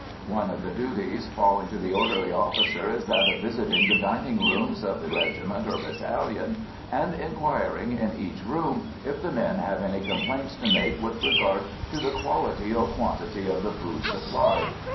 One of the duties falling to the orderly officer is that of visiting the dining rooms of the regiment or battalion and inquiring in each room if the men have any complaints to make with regard to the quality or quantity of the food supplied.